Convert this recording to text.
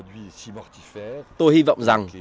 vì vậy tôi hy vọng rằng